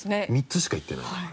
３つしか言ってないから。